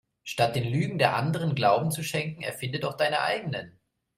Statt den Lügen der Anderen Glauben zu schenken erfinde doch deine eigenen.